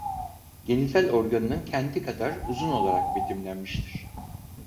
Genital organının kendi kadar uzun olarak betimlenmiştir.